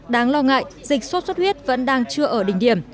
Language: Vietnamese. đáng lo ngại dịch suốt huyết vẫn đang chưa ở đỉnh điểm